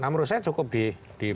nah menurut saya cukup di peraturan kpu